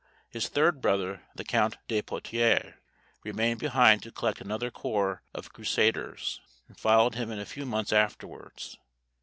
His third brother, the Count de Poitiers, remained behind to collect another corps of Crusaders, and followed him in a few months afterwards.